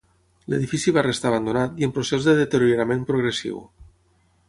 L'edifici va restar abandonat i en procés de deteriorament progressiu.